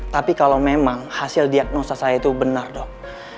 tapi kalau memang hasil diagnosa saya itu benar dok